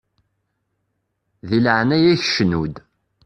Di leɛnaya-k cnu-d!